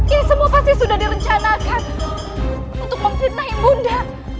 ini semua pasti sudah direncanakan untuk memfitnahimu nda